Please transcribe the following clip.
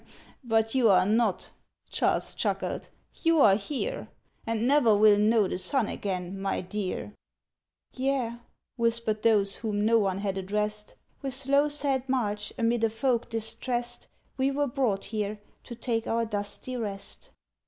"But you are not," Charles chuckled. "You are here, And never will know the sun again, my dear!" "Yea," whispered those whom no one had addressed; "With slow, sad march, amid a folk distressed, We were brought here, to take our dusty rest.